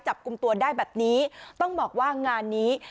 จับกลุ่มตัวได้แบบนี้ต้องบอกว่างานนี้